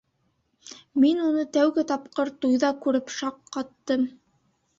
Мин уны тәүге тапҡыр туйҙа күреп шаҡ ҡаттым.